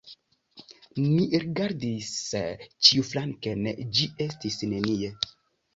Ni rigardis ĉiuflanken – ĝi estis nenie!